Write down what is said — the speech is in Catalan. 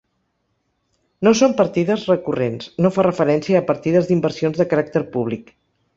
No són partides recurrents, no fa referència a partides d’inversions de caràcter públic.